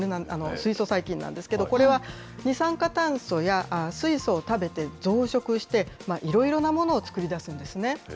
水素細菌なんですけど、これは二酸化炭素や水素を食べて増殖して、いろいろなものを作り出すんですね。